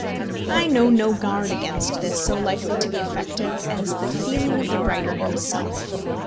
I know no guard against this so likely to be effective as the feeling of the writer himself.